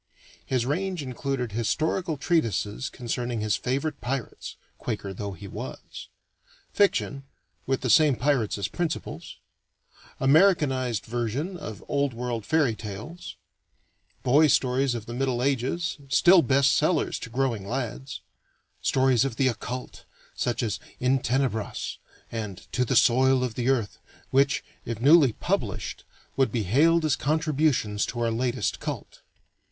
His range included historical treatises concerning his favorite Pirates (Quaker though he was); fiction, with the same Pirates as principals; Americanized version of Old World fairy tales; boy stories of the Middle Ages, still best sellers to growing lads; stories of the occult, such as In Tenebras and To the Soil of the Earth, which, if newly published, would be hailed as contributions to our latest cult.